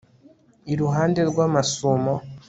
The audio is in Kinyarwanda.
iruhande rw'amasumo